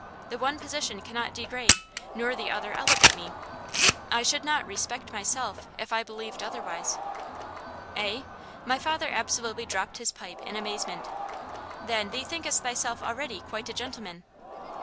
The one position cannot degrade, nor the other elevate, me. I should not 'respect myself' if I believed otherwise." "Eh?" my father absolutely dropped his pipe in amazement. "Then, thee thinkest thyself already quite a gentleman?"